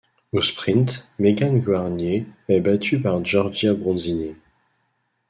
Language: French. Au sprint, Megan Guarnier est battue par Giorgia Bronzini.